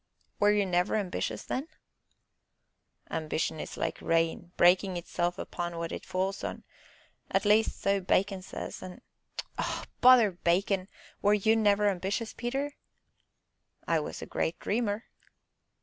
"Were you never ambitious, then?" "Ambition is like rain, breaking itself upon what it falls on at least, so Bacon says, and " "Oh, bother Bacon! Were you never ambitious, Peter?" "I was a great dreamer."